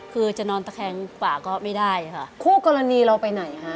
คือจะนอนตะแคงป่าก็ไม่ได้ค่ะ